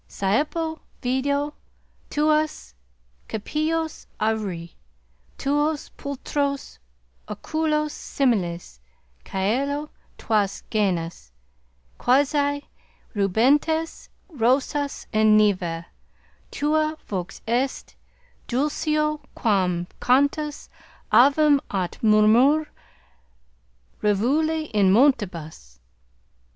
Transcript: Saepe video tuas capillos auri, tuos pulchros oculos similes caelo, tuas genas, quasi rubentes rosas in nive. Tua vox est dulcior quam cantus avium aut murmur rivuli in montibus.